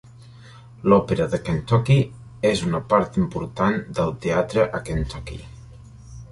L'Òpera de Kentucky és una part important del teatre a Kentucky.